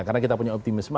karena kita punya optimisme